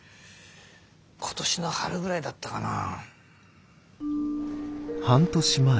今年の春ぐらいだったかな。